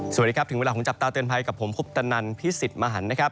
สวัสดีครับถึงเวลาของจับตาเตือนภัยกับผมคุปตนันพิสิทธิ์มหันนะครับ